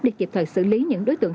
để kịp thời xử lý những đối tượng